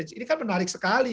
ini kan menarik sekali